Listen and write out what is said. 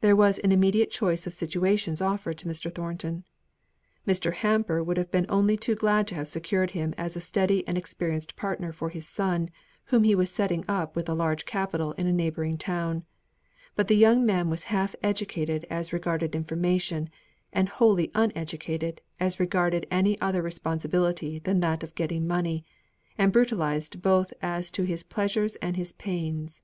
There was an immediate choice of situations offered to Mr. Thornton. Mr. Hamper would have been only too glad to have secured him as a steady and experienced partner for his son, whom he was setting up with a large capital in a neighbouring town; but the young man was half educated as regarded information, and wholly uneducated as regarded any other responsibility than that of getting money, and brutalised both as to his pleasures and his pains.